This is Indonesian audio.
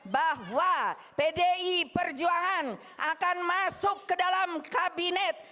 bahwa pdi perjuangan akan masuk ke dalam kabinet